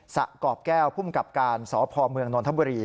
สะกรอบแก้วภูมิกับการสพเมืองนนทบุรี